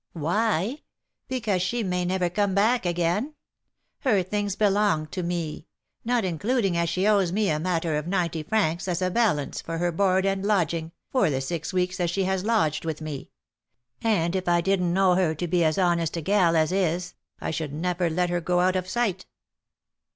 "Why? Because she may never come back again. Her things belong to me, not including as she owes me a matter of ninety francs as a balance for her board and lodging, for the six weeks as she has lodged with me; and if I didn't know her to be as honest a gal as is, I should never let her go out of sight."